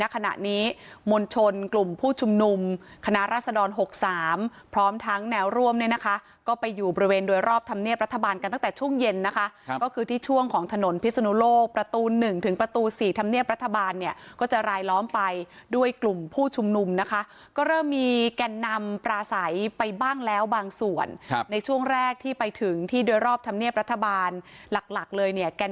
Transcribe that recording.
ขณะนี้มณฑลกลุ่มผู้ชุมนุมคณะราชดร๖๓พร้อมทั้งแนวร่วมเนี่ยนะคะก็ไปอยู่บริเวณด้วยรอบทำเนียบรัฐบาลกันตั้งแต่ช่วงเย็นนะคะก็คือที่ช่วงของถนนพิศนุโลกประตู๑ถึงประตู๔ทำเนียบรัฐบาลเนี่ยก็จะรายล้อมไปด้วยกลุ่มผู้ชุมนุมนะคะก็เริ่มมีแก่นนำปลาใสไปบ้างแล้วบางส่วนในช่วงแรก